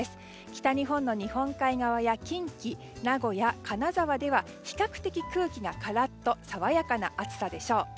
北日本の日本海側や近畿、名古屋、金沢では比較的空気がカラッと爽やかな暑さでしょう。